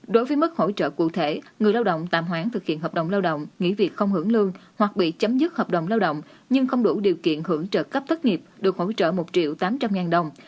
đối với mức hỗ trợ cụ thể người lao động tạm hoãn thực hiện hợp đồng lao động nghỉ việc không hưởng lương hoặc bị chấm dứt hợp đồng lao động nhưng không đủ điều kiện hưởng trợ cấp thất nghiệp được hỗ trợ một triệu tám trăm linh ngàn đồng